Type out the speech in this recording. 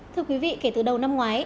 thưa quý vị kể từ đầu năm ngoái